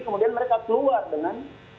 kemudian mereka keluar dengan